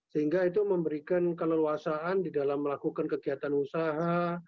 sehingga itu memberikan keleluasaan di dalam melakukan kegiatan usaha